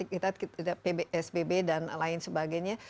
kita tidak psbb dan lain sebagainya